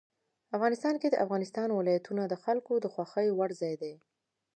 افغانستان کې د افغانستان ولايتونه د خلکو د خوښې وړ ځای دی.